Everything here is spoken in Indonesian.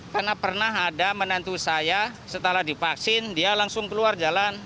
karena pernah ada menantu saya setelah dipaksin dia langsung keluar jalan